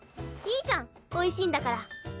いいじゃんおいしいんだから。